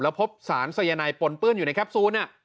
แล้วพบสารไซยันไนปนปื้นอยู่ในแคปซูลน่ะ